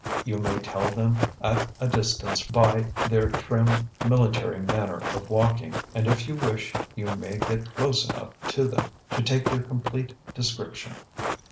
You may tell them at a distance by their trim, military manner of walking, and if you wish you may get close enough to them to take their complete description.